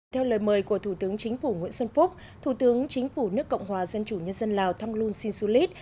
theo lời mời của thủ tướng chính phủ nguyễn xuân phúc thủ tướng chính phủ nước cộng hòa dân chủ nhân dân lào thonglun sinsulit